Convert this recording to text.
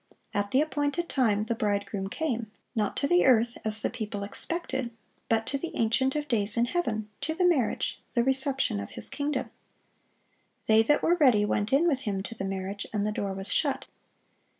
At the appointed time the Bridegroom came, not to the earth, as the people expected, but to the Ancient of days in heaven, to the marriage, the reception of His kingdom. "They that were ready went in with Him to the marriage, and the door was shut."